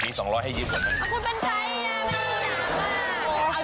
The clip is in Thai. ก็คุณเป็นใครย่ะเป็นคนสามารถ